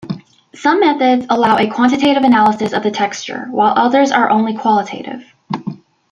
Some methods allow a quantitative analysis of the texture, while others are only qualitative.